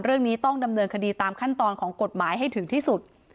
เรื่องนี้ต้องดำเนินคดีตามขั้นตอนของกฎหมายให้ถึงที่สุด